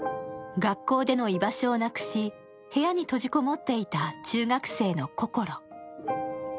学校での居場所をなくし部屋に閉じこもっていた中学生のこころ。